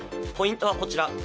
ポイントはこちら。